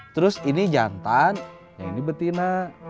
terus ini jantan yang ini betina